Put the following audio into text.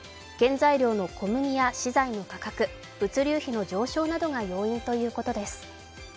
原材料の小麦や資材の価格、物流費の上昇などが要因ということです。